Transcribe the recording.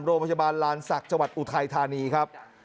โรงพยาบาลลานสักจอุทัยธานีครับ